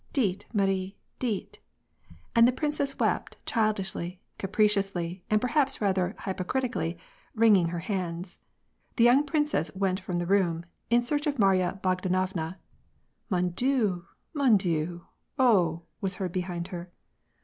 dites, Mar'Uy dites/^ and the princess wept, childishly, capriciously, and per haps rather hypocritically, wringing her hands. The young princess went from the room in search of Marya Bogdanovna ^' Mo7i Dieu / Mon Dieu / Oh !" was heard behind her.